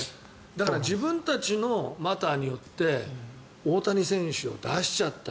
だから自分たちのマターによって大谷選手を出しちゃった。